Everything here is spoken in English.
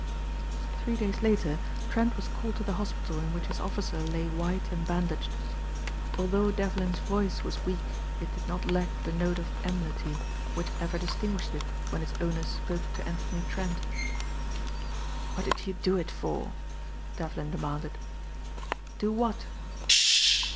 Three days later Trent was called to the hospital in which his officer lay white and bandaged. Although Devlin's voice was weak it did not lack the note of enmity which ever distinguished it when its owner spoke to Anthony Trent. "What did you do it for?" Devlin demanded. "Do what?"